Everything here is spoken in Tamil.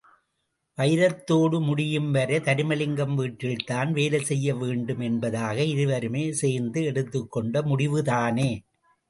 வைரத்தோடு முடியும் வரை தருமலிங்கம் வீட்டில்தான் வேலை செய்யவேண்டும் என்பதாக இருவருமே சேர்ந்து எடுத்துக்கொண்ட முடிவுதானே!